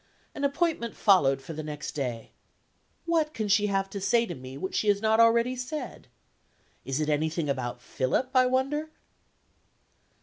An appointment followed for the next day. What can she have to say to me which she has not already said? Is it anything about Philip, I wonder?